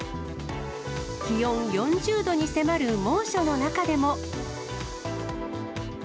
気温４０度に迫る猛暑の中でも。